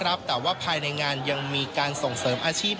แต่ว่าภายในงานยังมีการส่งเสริมอาชีพ